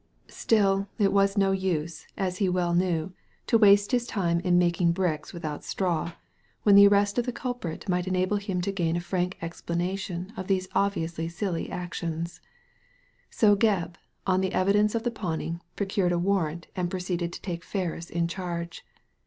Still it was no use, as he well knew, to waste his time in making bricks without straw, when the arrest of the culprit might enable him to gain a frank explanation of these obviously silly actions ; so Gebb, on the evidence of the pawning, procured a warrant and proceeded to take Ferris in charge.